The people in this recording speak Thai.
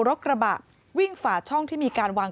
รถกระบะวิ่งฝ่าช่องที่มีการวาง